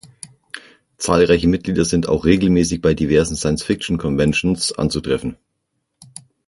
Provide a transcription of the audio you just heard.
Zahlreiche Mitglieder sind auch regelmäßig bei diversen Science-Fiction-Conventions anzutreffen.